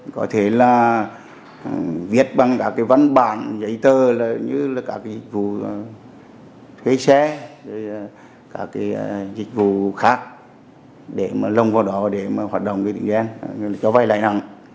có thể là viết bằng các văn bản giấy tờ như các dịch vụ thuê xe các dịch vụ khác để lông vào đó để hoạt động tỉnh gian cho vay lại năng